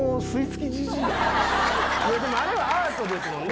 あれはアートですもんね。